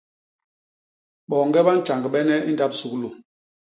Boñge bantjañgbene i ndap suglu.